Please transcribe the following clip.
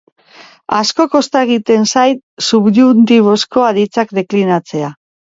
Asko kosta egiten zait subjunktibozko aditzak deklinatzea.